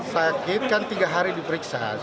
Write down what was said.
sakit kan tiga hari diperiksa